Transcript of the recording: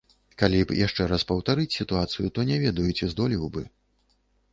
Калі б яшчэ раз паўтарыць сітуацыю, то не ведаю, ці здолеў бы.